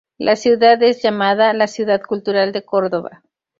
La ciudad es llamada la "Ciudad Cultural de Córdoba".